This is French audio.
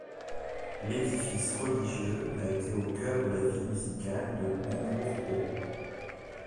L'édifice religieux a été au cœur de la vie musicale de Hombourg-Haut.